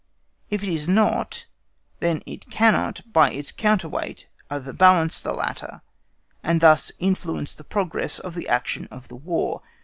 If it is not, then it cannot by its counter weight over balance the latter, and thus influence the progress of the action of the War.